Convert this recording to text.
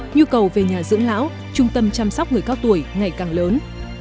nhu cầu về nhà dưỡng lão trung tâm chăm sóc người cao tuổi ngày càng lớn